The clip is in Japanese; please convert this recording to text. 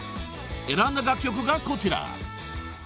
［選んだ楽曲がこちら］